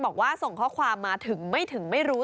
บอกว่าส่งข้อความมาถึงไม่ถึงไม่รู้